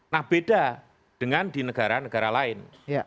nah beda dengan di negara negara lain